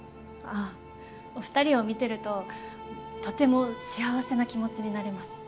お二人を見てるととても幸せな気持ちになれます。